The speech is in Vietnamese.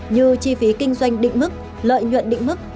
như chi phí kinh doanh định mức lợi nhuận định mức